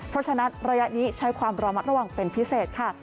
เพราะฉะนั้นระยะนี้ใช้ความระมัดระวังเป็นพิเศษค่ะ